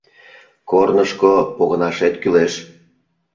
Корнышко погынашет кӱлеш...»